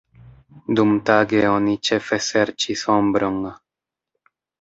Dumtage oni ĉefe serĉis ombron.